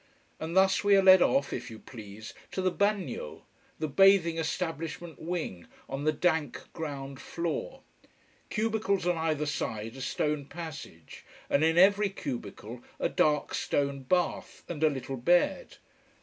And thus we are led off, if you please, to the "bagnio": the bathing establishment wing, on the dank ground floor. Cubicles on either side a stone passage, and in every cubicle a dark stone bath, and a little bed.